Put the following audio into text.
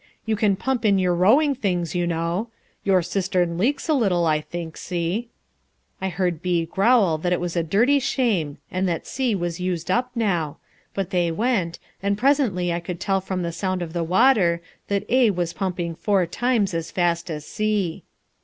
You can pump in your rowing things, you know. Your cistern leaks a little, I think, C." I heard B growl that it was a dirty shame and that C was used up now, but they went, and presently I could tell from the sound of the water that A was pumping four times as fast as C.